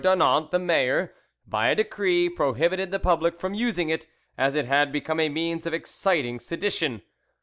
Daunant the mayor, by a decree, prohibited the public from using it, as it had become a means of exciting sedition.